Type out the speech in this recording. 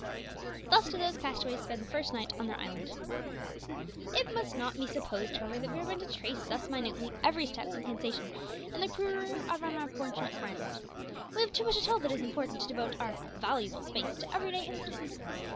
Thus did those castaways spend the first night on their island. It must not be supposed, however, that we are going to trace thus minutely every step and sensation in the career of our unfortunate friends. We have too much to tell that is important to devote our "valuable space" to everyday incidents.